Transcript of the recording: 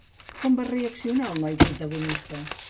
Com va reaccionar el noi protagonista?